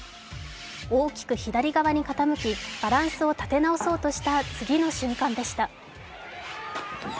大きく左側に傾きバランスを立て直そうとした次の瞬間でした。